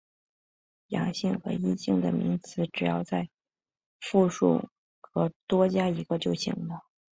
阳性和阴性的名词只要在复数属格多加一个就行了。